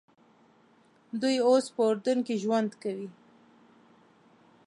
دوی اوس په اردن کې ژوند کوي.